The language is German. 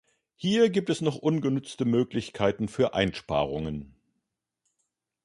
Hier gibt es noch ungenutzte Möglichkeiten für Einsparungen.